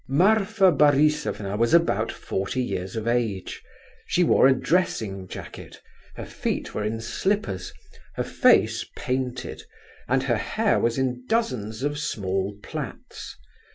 Marfa Borisovna was about forty years of age. She wore a dressing jacket, her feet were in slippers, her face painted, and her hair was in dozens of small plaits.